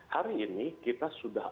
hari ini kita sudah